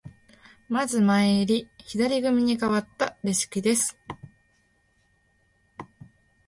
まず前襟、左組にかわったレシキです。